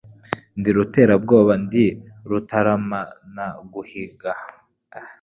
Ndi Ruterabwoba ndi rutaramanaguhiga.